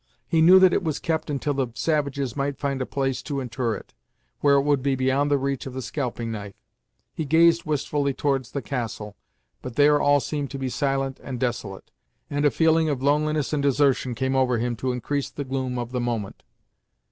He knew that it was kept until the savages might find a place to inter it, where it would be beyond the reach of the scalping knife. He gazed wistfully towards the castle, but there all seemed to be silent and desolate, and a feeling of loneliness and desertion came over him to increase the gloom of the moment.